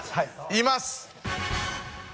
います！